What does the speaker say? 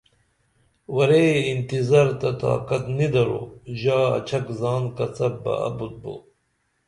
ورے انتظار تہ طاقت نی درو ژا اچھک زان کڅپ بہ ابُت بو